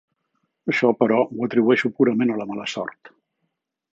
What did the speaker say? Això, però, ho atribueixo purament a la mala sort.